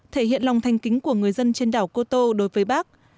thể hiện lòng thanh kính của người dân trên đảo cô tô đối với bác